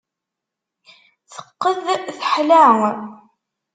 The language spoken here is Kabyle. Teqqed, teḥla.